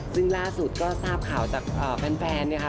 ซึ่งล่าสุดก็ทราบข่าวจากแฟนนะคะ